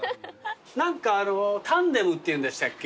何かタンデムっていうんでしたっけ？